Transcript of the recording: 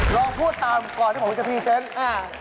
ลองพูดตามก่อนที่ผมจะพรีเซนต์อ่า